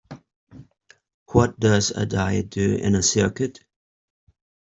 What does a diode do in a circuit?